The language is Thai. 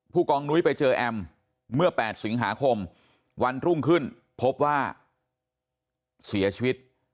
กองนุ้ยไปเจอแอมเมื่อ๘สิงหาคมวันรุ่งขึ้นพบว่าเสียชีวิต